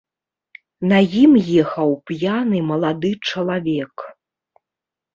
На ім ехаў п'яны малады чалавек.